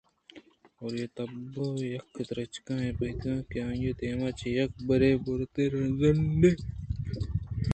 اولی تبک ءَ یک دریچہ ئے بُتکگ اَت کہ آئی ءِ دیم ءَ چہ یک بے بروتیں زنڈکُیں چِل کوٹیں مردکے ءَ سر کش اِت ءُ ہمودا اوشتات ءُچارگئے بنا کُت